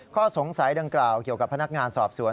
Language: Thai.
ข้อสงสัยดังกล่าวเกี่ยวกับพนักงานสอบสวน